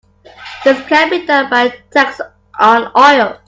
This can be done by a tax on oil.